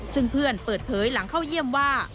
ซึ่งเพื่อนเปิดเผยหลังเข้าเยี่ยมว่า